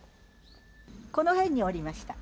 この辺におりました。